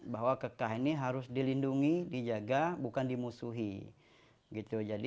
bahwa kekah ini harus dilindungi dijaga bukan dimusnahkan